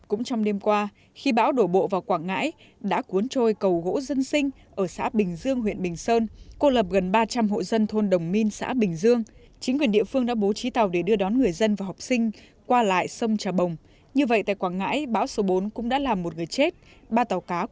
ông phạm hùng bốn mươi hai tuổi ở xã bình dương huyện bình sơn trong lúc ra hồ tôm quay máy nổ sụp khí hồ tôm nhưng do gió mạnh thổi áo mưa cuốn vào trục máy nổ sụp khí hồ tôm